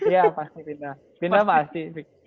iya pasti pindah pindah pasti